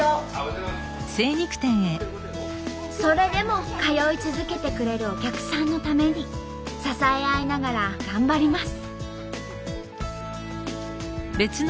それでも通い続けてくれるお客さんのために支え合いながら頑張ります。